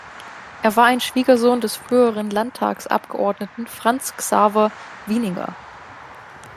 Er war ein Schwiegersohn des früheren Landtagsabgeordneten Franz Xaver Wieninger.